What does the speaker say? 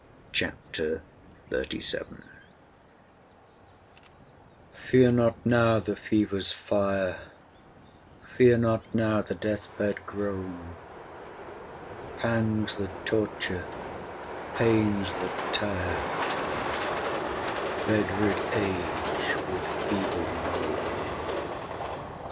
CHAPTER XXXVII Fear not now the fever's fire, Fear not now the death bed groan; Pangs that torture, pains that tire Bed rid age with feeble moan.